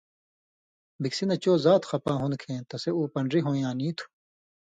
بِکسی نہ چو زات خپا ہُون٘دوۡ کھیں تسے اُو پن٘ڈری ہویں یاں نی تُھو۔